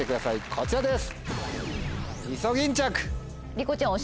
こちらです。